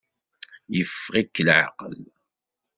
Yeffeɣ-ik leεqel?